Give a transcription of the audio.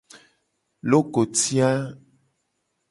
Lokoti a.